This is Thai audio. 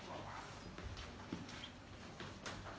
คะลาทครับ